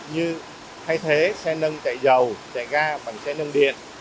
như thay thế xe nâng chạy dầu chạy ga bằng xe nâng điện